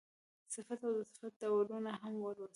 صفت او د صفت ډولونه هم ولوستل.